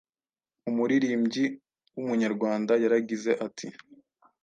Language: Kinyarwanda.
Umuririmbyi w’Umunyarwanda yaragize ati: